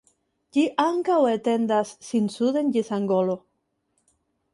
Ĝi ankaŭ etendas sin suden ĝis Angolo.